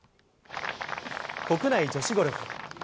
国内女子ゴルフ。